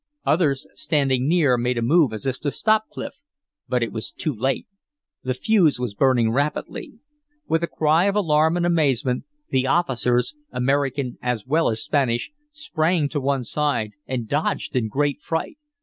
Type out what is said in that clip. Others standing near made a move as if to stop Clif, but it was too late. The fuse was burning rapidly. With a cry of alarm and amazement, the officers, American as well as Spanish, sprang to one side and dodged in great fright.